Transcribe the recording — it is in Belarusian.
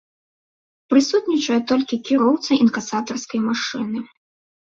Прысутнічае толькі кіроўца інкасатарскай машыны.